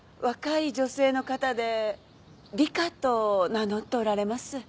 若い女性の方で「理花」と名乗っておられます。